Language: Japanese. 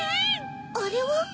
あれは？